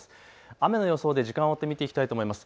雨の予想で時間を追って見ていきたいと思います。